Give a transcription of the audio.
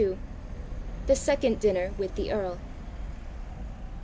THE SECOND DINNER WITH THE EARL.